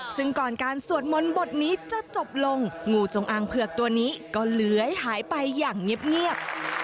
ซึ่งก่อนการสวดมนต์บทนี้จะจบลงงูจงอางเผือกตัวนี้ก็เลื้อยหายไปอย่างเงียบ